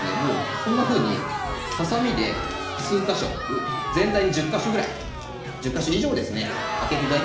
こんなふうにはさみで数か所全体に１０か所くらい１０か所以上ですね開けていただく。